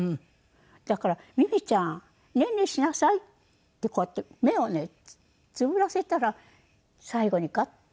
だから「ミミちゃんねんねしなさい」ってこうやって目をねつむらせたら最後にガッ。